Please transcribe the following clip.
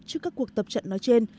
trước các cuộc tập trận nói trên